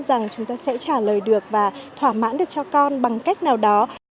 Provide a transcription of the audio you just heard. rằng chúng ta sẽ trả lời được và thỏa mãn được cho con bằng cách nào đó